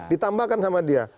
ditambahkan sama dia